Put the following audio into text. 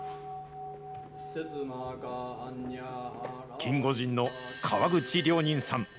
キンゴジンの川口良仁さん。